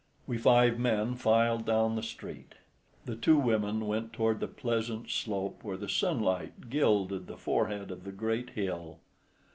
We five men filed down the street. The two women went toward the pleasant slope where the sunlight gilded the forehead of the great hill.